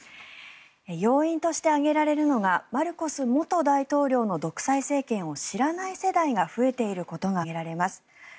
要因として挙げられるのがマルコス元大統領の独裁政権を知らない世代が増えていることが挙げられます。